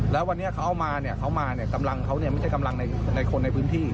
แล้ววันนี้เขาเอามาเนี่ยเขามาเนี่ยกำลังเขาเนี่ยไม่ใช่กำลังในคนในพื้นที่